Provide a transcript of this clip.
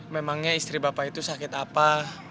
memangnya istri bapak itu sakit apa